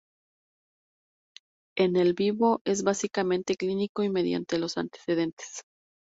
En el vivo, es básicamente clínico y mediante los antecedentes.